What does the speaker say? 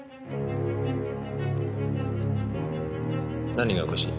何がおかしい？